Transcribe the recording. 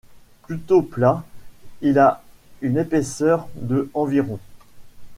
Plutôt plat, il a une épaisseur de environ.